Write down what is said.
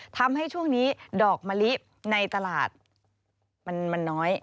ทำให้ช่วงนี้ดอกมะลิในตลาดมันน้อย